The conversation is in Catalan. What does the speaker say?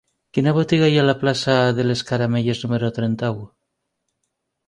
Quina botiga hi ha a la plaça de les Caramelles número trenta-u?